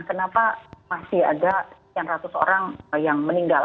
kenapa masih ada sekian ratus orang yang meninggal